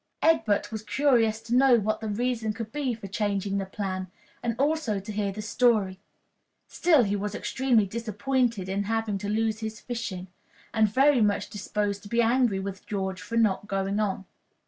Egbert was curious to know what the reason could be for changing the plan, and also to hear the story. Still he was extremely disappointed in having to lose his fishing, and very much disposed to be angry with George for not going on.